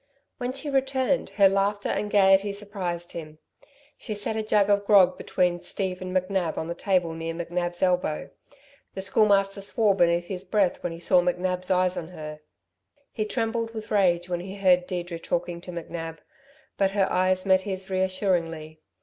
When she returned, her laughter and gaiety surprised him. She set a jug of grog between Steve and McNab on the table near NcNab's elbow. The Schoolmaster swore beneath his breath when he saw McNab's eyes on her. He trembled with rage when he heard Deirdre talking to McNab; but her eyes met his reassuringly.